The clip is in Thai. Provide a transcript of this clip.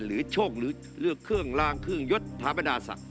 โชคหรือเลือกเครื่องลางเครื่องยศถาบรรดาศักดิ